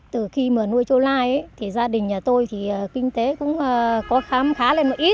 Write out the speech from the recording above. từ khi mở nuôi châu lai thì gia đình nhà tôi thì kinh tế cũng có khám khá là một ít